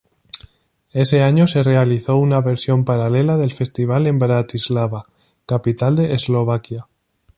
Ese año se realizó una versión paralela del festival en Bratislava, capital de Eslovaquia.